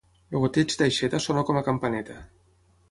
El goteig d'aixeta sona com a campaneta.